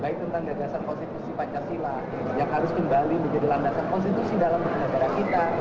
baik tentang gagasan konstitusi pancasila yang harus kembali menjadi landasan konstitusi dalam bernegara kita